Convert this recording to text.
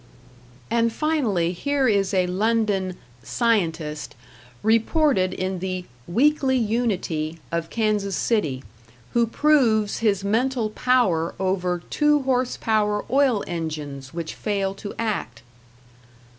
And finally, here is a London "scientist", reported in the "Weekly Unity" of Kansas City, who proves his mental power over two horse power oil engines which fail to act.